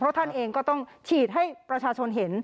เพราะท่านเองก็ต้องฉีดให้ประชาชนเห็น